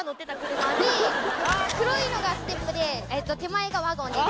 黒いのがステップで手前がワゴンです